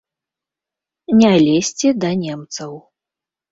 Не лезці да немцаў.